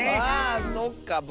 あそっか。